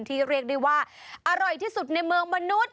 เรียกได้ว่าอร่อยที่สุดในเมืองมนุษย์